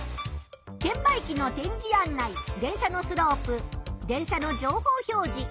券売機の点字案内電車のスロープ電車の情報表示